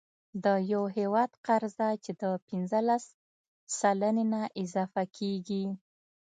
د یو هیواد قرضه چې د پنځلس سلنې نه اضافه کیږي،